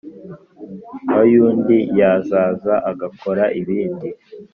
ay’undi yazaza agakora ibindi.